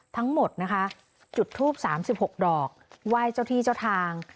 ทั้งหมดนะคะจุดทูป๓๖ดอกไหว้เจ้าที่เจ้าทาง